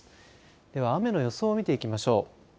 では雨の予想を見ていきましょう。